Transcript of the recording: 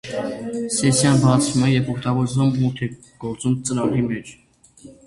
Սեսիան բացվում է, երբ օգտագործողը մուտք է գործում ծրագրի մեջ։